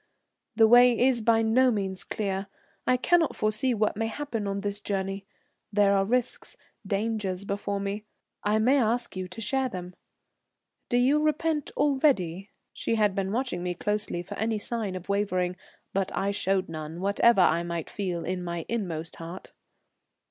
The way is by no means clear. I cannot foresee what may happen on this journey. There are risks, dangers before me. I may ask you to share them. Do you repent already?" She had been watching me closely for any sign of wavering, but I showed none, whatever I might feel in my inmost heart.